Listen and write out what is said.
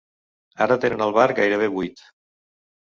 Ara tenen el bar gairebé buit.